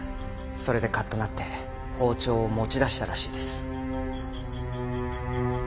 それでカッとなって包丁を持ち出したらしいです。